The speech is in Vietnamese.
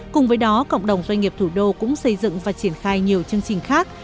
cùng với đó cộng đồng doanh nghiệp thủ đô cũng xây dựng và triển khai nhiều chương trình khác